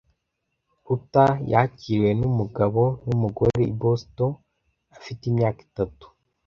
Ruta yakiriwe n’umugabo n'umugore i Boston afite imyaka itatu.